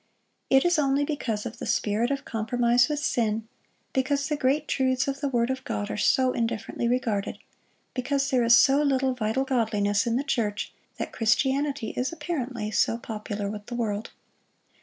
It is only because of the spirit of compromise with sin, because the great truths of the word of God are so indifferently regarded, because there is so little vital godliness in the church, that Christianity is apparently so popular with the world.